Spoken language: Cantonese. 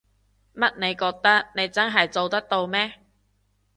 乜你覺得你真係做到咩？